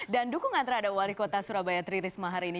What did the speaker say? dan dukungan terhadap wali kota surabaya tri risma hari ini